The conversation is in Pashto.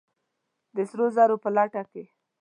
د سرو زرو په لټه کې!